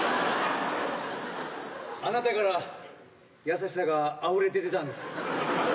あなたから優しさがあふれ出てたんです。